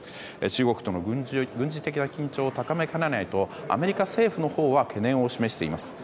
中国の軍事的な緊張を高めかねないとアメリカ政府のほうは懸念を示しています。